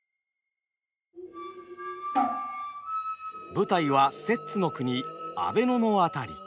舞台は摂津の国阿倍野の辺り。